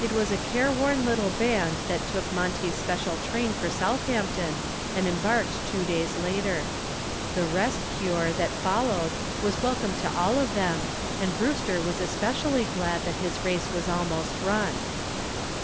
It was a careworn little band that took Monty's special train for Southampton and embarked two days later. The "rest cure" that followed was welcome to all of them and Brewster was especially glad that his race was almost run.